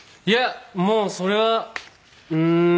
いやもうそれはうーん。